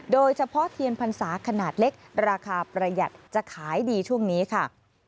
โดยเฉพาะเทียนพรรษาขนาดเล็กราคาประหยัดจะขายดีช่วงนี้ค่ะ